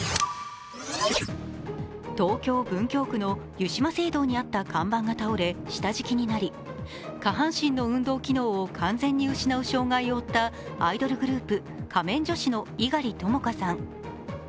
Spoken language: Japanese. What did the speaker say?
東京・文京区の湯島聖堂にあった看板が倒れ下敷きになり、下半身の運動機能を完全に失う障害を負ったアイドルグループ、仮面女子の猪狩ともかさん。